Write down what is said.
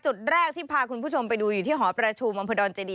จุดแรกที่พาคุณผู้ชมไปดูอยู่ที่หอประชุมอำเภอดอนเจดี